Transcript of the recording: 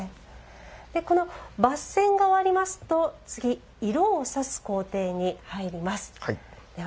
この抜染が終わりますと次、色を挿す工程に入ります。